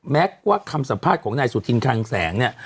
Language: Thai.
ว่าคำสัมภาษณ์ของนายสุธินคังแสงเนี่ย